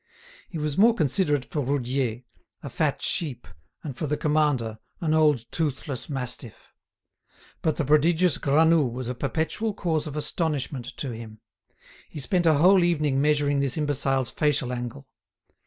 He was more considerate for Roudier, a fat sheep, and for the commander, an old toothless mastiff. But the prodigious Granoux was a perpetual cause of astonishment to him. He spent a whole evening measuring this imbecile's facial angle.